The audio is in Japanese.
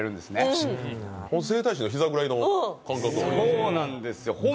そうなんですよ